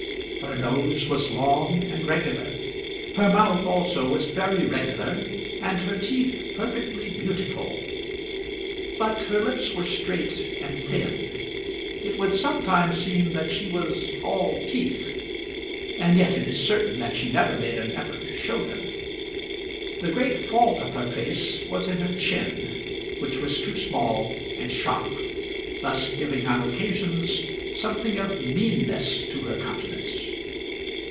Her nose was long and regular. Her mouth also was very regular, and her teeth perfectly beautiful; but her lips were straight and thin. It would sometimes seem that she was all teeth, and yet it is certain that she never made an effort to show them. The great fault of her face was in her chin, which was too small and sharp, thus giving on occasions something of meanness to her countenance.